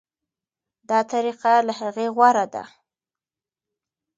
دا طریقه له هغې غوره ده.